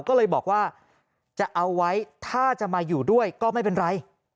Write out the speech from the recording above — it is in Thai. ก็เลยบอกว่าจะเอาไว้ถ้าจะมาอยู่ด้วยก็ไม่เป็นไร